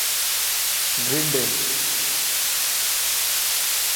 green day